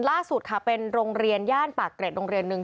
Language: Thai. ล่าสุดค่ะเป็นโรงเรียนย่านปากเกร็ดโรงเรียนหนึ่ง